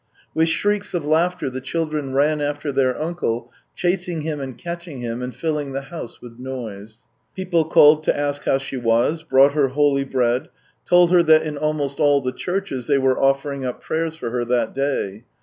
With shrieks of laughter the children ran after their uncle, chasing him and catching him, and filling the house with noise. People called to ask how she was, brought her holy bread, told her that in almost all the churches they were offering up prayers for her that day.